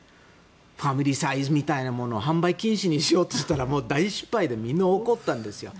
ファミリーサイズみたいなものを販売禁止にしようとしたら大失敗でみんなが怒ったんですよ。